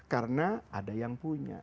karena ada yang punya